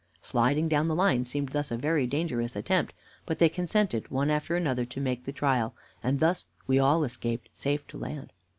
"Sliding down the line seemed thus a very dangerous attempt, but they consented one after another to make the trial, and thus we all escaped safe to land."